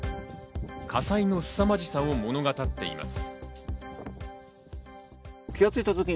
火災のすさまじさを物語っています。